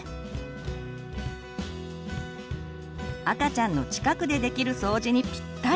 赤ちゃんの近くでできる掃除にピッタリ！